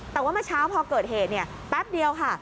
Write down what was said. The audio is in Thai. แต่ว่าเมื่อเช้าพอเกิดเหตุเนี่ยแป๊บเดียวค่ะ